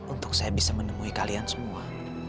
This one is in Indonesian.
untuk saya bisa menemui kalian semua